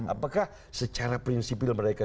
apakah secara prinsipil mereka